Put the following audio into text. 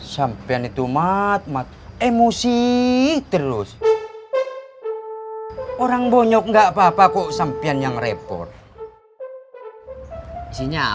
sampai jumpa di video selanjutnya